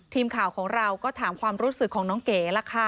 ทีมข่าวของเราก็ถามความรู้สึกของน้องเก๋ล่ะค่ะ